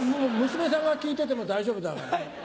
娘さんが聞いてても大丈夫だから。